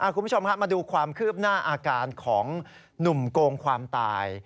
คุณผู้ชมมาดูความคืบหน้าอาการของหนุ่มโกงความตาย